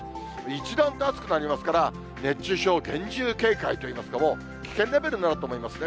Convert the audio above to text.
一段と暑くなりますから、熱中症厳重警戒といいますか、もう危険レベルになると思いますね。